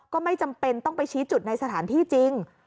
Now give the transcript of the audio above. ก็ไม่จำเป็นต้องไปชี้จุดในสถานที่จริง